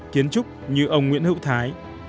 kiến trúc như ông nguyễn hữu thái